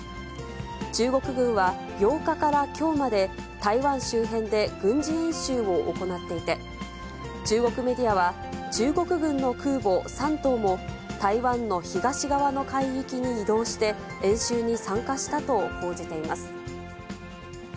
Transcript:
中国軍は、８日からきょうまで、台湾周辺で軍事演習を行っていて、中国メディアは、中国軍の空母山東も、台湾の東側の海域に移動して演習に参加したと報じています。